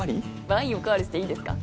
ワインおかわりしていいですか？